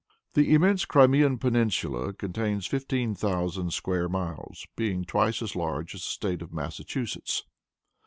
The immense Crimean peninsula contains fifteen thousand square miles, being twice as large as the State of Massachusetts.